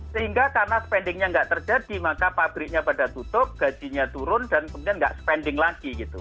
sehingga karena spendingnya nggak terjadi maka pabriknya pada tutup gajinya turun dan kemudian nggak spending lagi gitu